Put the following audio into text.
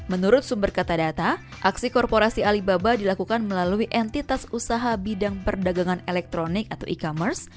menurut sumber kata data aksi korporasi alibaba dilakukan melalui entitas usaha bidang perdagangan elektronik atau e commerce